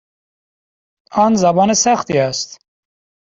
آن زبان سختی است.